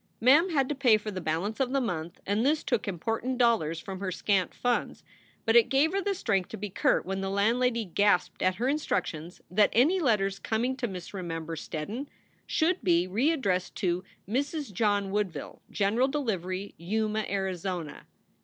MI m had to pay for the balance of the month and this took important dollars from her scant funds; but it gave her the strength to be curt when the landlady gasped at her instructions that any letters coming to Miss Remember Steddon should be readdressed to "Mrs. John Woodville, General Delivery, Yuma, Arizona."